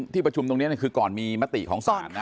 ที่ประชุมตรงนี้ก่อนมีมติของสาร